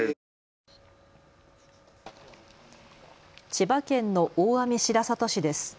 千葉県の大網白里市です。